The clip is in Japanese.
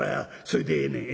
それでええねん」。